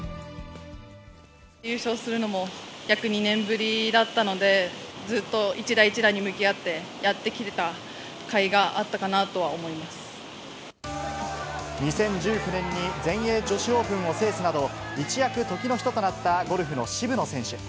優勝するのも約２年ぶりだったので、ずっと一打一打に向き合ってやってきていたかいがあったかなとは２０１９年に全英女子オープンを制すなど、一躍、時の人となったゴルフの渋野選手。